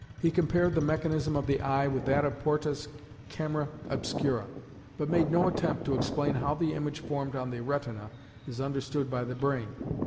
He compared the mechanism of the eye with that of Porta's "Camera Obscura," but made no attempt to explain how the image formed on the retina is understood by the brain.